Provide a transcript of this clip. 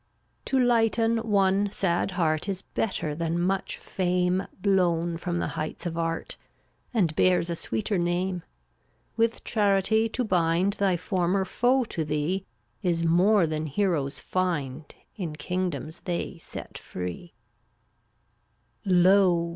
348 To lighten one sad heart Is better than much fame Blown from the heights of Art — And bears a sweeter name. With charity to bind Thy former foe to thee Is more than heroes find In kingdoms they set free, m &matr 0Utt<$ Lo!